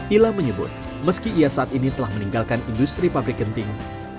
ila menyebut meski ia saat ini telah meninggalkan industri pabrik genting